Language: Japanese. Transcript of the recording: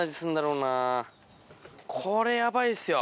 これヤバいっすよ。